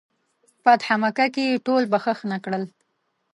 فتح مکه کې یې ټول بخښنه کړل.